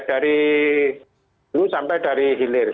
dari hulu sampai dari hilir